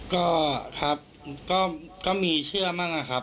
ก็ครับก็มีเชื่อมั่งอะครับ